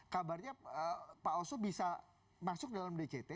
kabarnya pak oso bisa masuk dalam dct